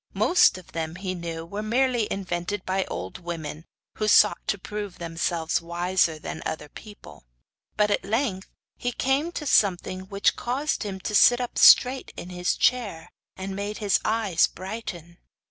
Most of them, he knew, were merely invented by old women, who sought to prove themselves wiser than other people; but at length he came to something which caused him to sit up straight in his chair, and made his eyes brighten.